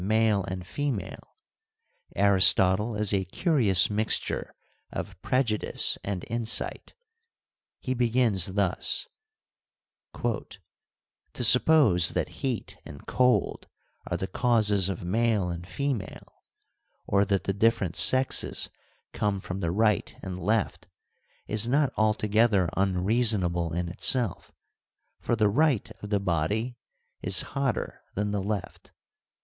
ARISTOTLE 215 and female, Aristotle is a curious mixture of prejudice and insight. He begins thus : To suppose that heat and cold are the causes of male and female, or that the different sexes come from the right and left, is not altogether unreasonable in itself, for the right of the body is hotter than the left.